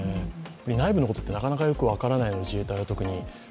内部のことってなかなかよく分からない、自衛隊のことって。